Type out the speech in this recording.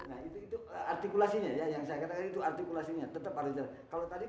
itu artikulasinya yang saya katakan itu artikulasinya